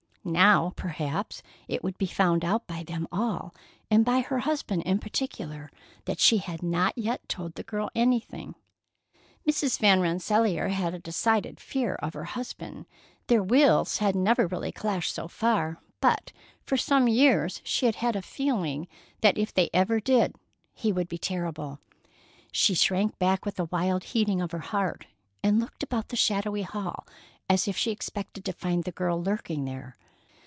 Now, perhaps, it would be found out by them all, and by her husband in particular, that she had not yet told the girl anything. Mrs. Van Rensselaer had a decided fear of her husband. Their wills had never really clashed so far, but for some years she had had a feeling that if they ever did, he would be terrible. She shrank back with a wild heating of her heart, and looked about the shadowy hall as if she expected to find the girl lurking there.